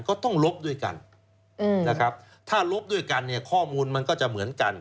ก็ต้องลบด้วยกันถ้าลบด้วยกันข้อมูลมันก็จะเหมือนกัน